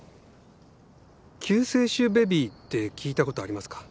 救世主ベビーって聞いたことありますか？